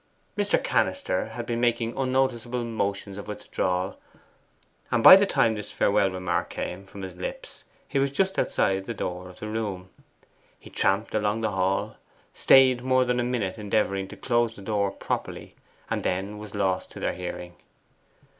Mr. Cannister had been making unnoticeable motions of withdrawal, and by the time this farewell remark came from his lips he was just outside the door of the room. He tramped along the hall, stayed more than a minute endeavouring to close the door properly, and then was lost to their hearing.